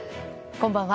こんばんは。